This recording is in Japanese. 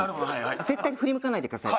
絶対に振り向かないでください。